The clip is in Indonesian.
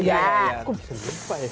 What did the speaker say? kok bisa lupa ya